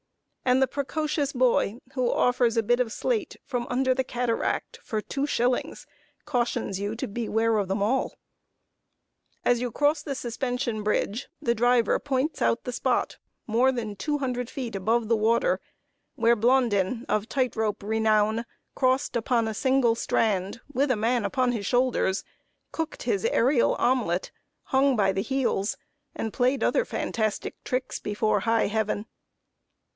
And the precocious boy, who offers a bit of slate from under the Cataract for two shillings, cautions you to beware of them all. [Sidenote: VIEW FROM THE SUSPENSION BRIDGE.] As you cross the suspension bridge, the driver points out the spot, more than two hundred feet above the water, where Blondin, of tight rope renown, crossed upon a single strand, with a man upon his shoulders, cooked his aerial omelet, hung by the heels, and played other fantastic tricks before high heaven. [Sidenote: PALACE OF THE FROST KING.